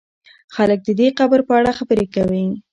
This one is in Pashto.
خلک د دې قبر په اړه خبرې کوي.